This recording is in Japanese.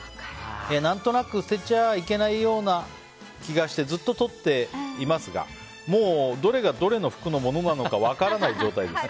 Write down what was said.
何となく捨てちゃいけないような気がしてずっととっていますがもう、どれがどれの服のものなのか分からない状態です。